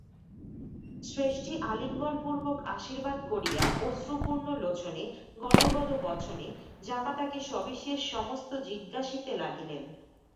শ্রেষ্ঠী আলিঙ্গনপূর্বক আশীর্বাদ করিয়া অশ্রুপূর্ণ লোচনে গদগদ বচনে জামাতাকে সবিশেষ সমস্ত জিজ্ঞাসিতে লাগিলেন।